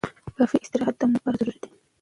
کافي استراحت د مور لپاره ضروري دی.